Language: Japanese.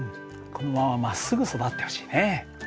このまままっすぐ育ってほしいね。